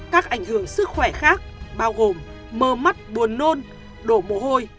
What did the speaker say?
các ảnh hưởng sức khỏe khác bao gồm mơ mắt buồn nôn đổ mồ hôi